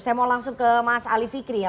saya mau langsung ke mas ali fikri ya